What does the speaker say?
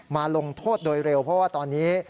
ลงโทษโดยเร็วเพราะว่าตอนนี้